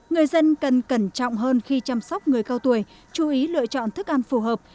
người dân cần cẩn trọng hơn khi chăm sóc người cao tuổi chú ý lựa chọn thức ăn phù hợp